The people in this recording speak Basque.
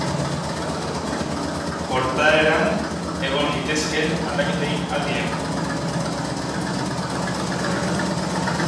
Portaeran egon litezkeen aldaketei adi egon.